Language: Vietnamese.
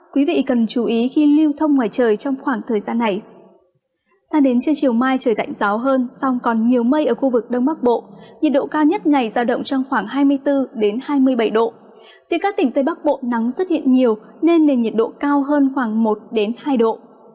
các tỉnh tây bắc bộ nắng xuất hiện nhiều nên nền nhiệt độ cao hơn khoảng một hai độ